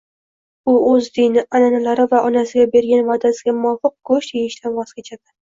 U oʻz dini anʼanalari va onasiga bergan vaʼdasiga muvofiq goʻsht yeyishdan voz kechadi